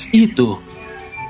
setelah itu dia menangis